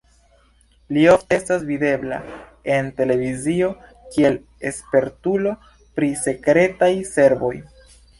Li ofte estas videbla en televizio kiel spertulo pri sekretaj servoj.